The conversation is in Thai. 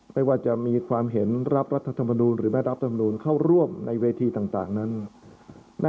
ไม่ว่าจะมีความเห็นรับรัฐธรรมนูลหรือไม่รับธรรมนูลเข้าร่วมในเวทีต่างนั้น